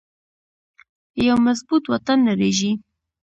یو مضبوط وطن نړیږي